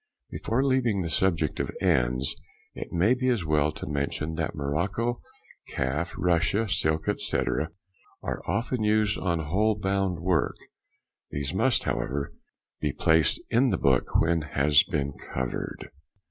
Before leaving the subject of ends, it may be as well to mention that morocco, calf, russia, silk, etc., are often used on whole bound work; these must, however, be placed in the book when has been covered.